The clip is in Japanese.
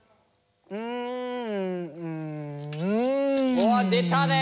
うわっ出たね。